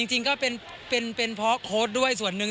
จริงก็เป็นเพราะโค้ดด้วยส่วนหนึ่ง